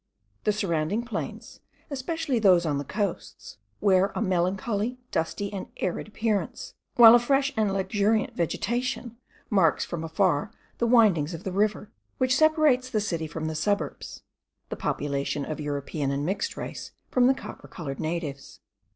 The surrounding plains, especially those on the coasts, wear a melancholy, dusty, and arid appearance, while a fresh and luxuriant vegetation marks from afar the windings of the river, which separates the city from the suburbs; the population of European and mixed race from the copper coloured natives.